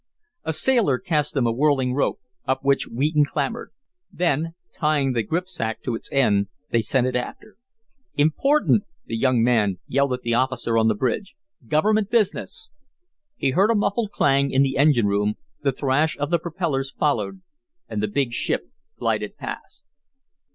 A sailor cast them a whirling rope, up which Wheaton clambered; then, tying the gripsack to its end, they sent it after. "Important!" the young man yelled at the officer on the bridge. "Government business." He heard a muffled clang in the engine room, the thrash of the propellers followed, and the big ship glided past.